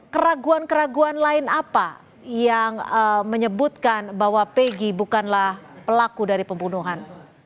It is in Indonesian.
keraguan keraguan lain apa yang menyebutkan bahwa peggy bukanlah pelaku dari pembunuhan